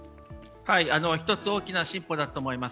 一つ大きな進歩だと思います。